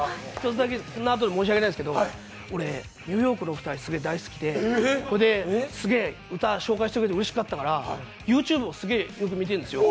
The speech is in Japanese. １つだけ、そのあとで申し訳ないんですけど俺、ニューヨークのお二人すげぇ大好きで、歌、紹介してくれてうれしかったからＹｏｕＴｕｂｅをすげぇよく見てるんですよ。